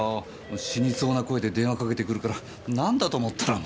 死にそうな声で電話かけてくるから何だと思ったらもう。